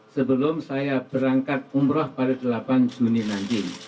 sebelum saya berangkat umroh pada delapan juni nanti